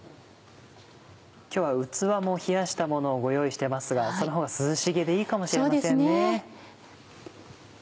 今日は器も冷やしたものを用意してますがそのほうが涼しげでいいかもしれませんね。